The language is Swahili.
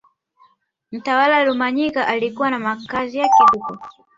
Mtawala Rumanyika alikuwa na makazi yake huko